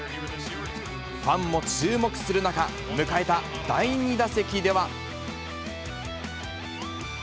ファンも注目する中、迎えた第２打席では。